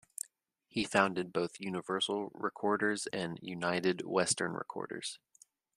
He founded both Universal Recorders and United Western Recorders.